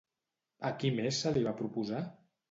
A qui més se li va proposar?